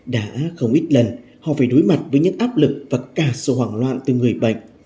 đã không ít lần họ phải đối mặt với những áp lực và cả sự hoảng loạn từ người bệnh